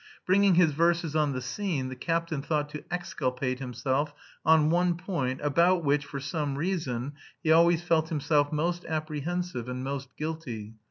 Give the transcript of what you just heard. Bringing his verses on the scene, the captain thought to exculpate himself on one point about which, for some reason, he always felt himself most apprehensive, and most guilty.